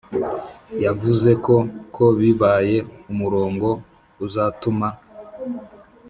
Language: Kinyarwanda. yavuzeko ko bibaye umurongo uzatuma